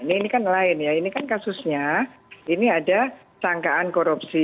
ini kan lain ya ini kan kasusnya ini ada sangkaan korupsi